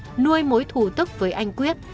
nhưng nhi không chấp nhận nuôi mối thù tức với anh quyết